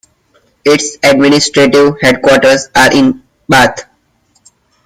Its administrative headquarters are in Bath.